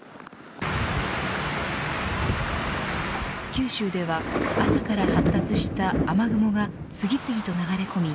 九州では朝から発達した雨雲が次々と流れ込み